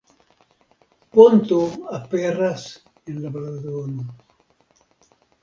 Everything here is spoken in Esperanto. Ponto aperas en la blazono.